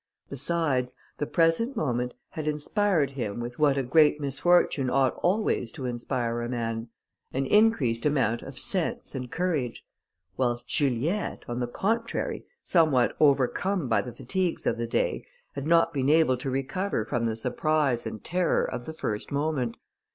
Besides, the present moment had inspired him with what a great misfortune ought always to inspire a man an increased amount of sense and courage; whilst Juliette, on the contrary, somewhat overcome by the fatigues of the day, had not been able to recover from the surprise and terror of the first moment.